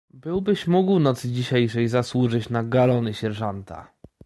"Byłbyś mógł nocy dzisiejszej zasłużyć na galony sierżanta."